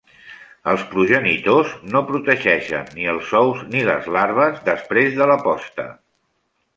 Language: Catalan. Els progenitors no protegeixen ni els ous ni les larves després de la posta.